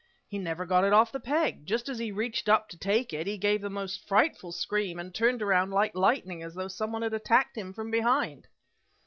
"He never got it off the peg! Just as he reached up to take it, he gave a most frightful scream, and turned around like lightning as though some one had attacked him from behind!"